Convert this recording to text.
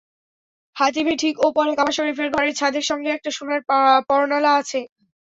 হাতিমের ঠিক ওপরে কাবা শরিফের ঘরের ছাদের সঙ্গে একটা সোনার পরনালা আছে।